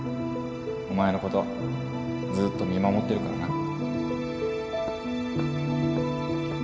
お前のことずっと見守ってるからな。